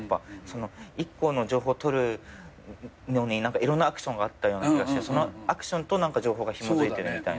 １個の情報を取るのにいろんなアクションがあったような気がしてそのアクションと情報がひもづいてるみたいな。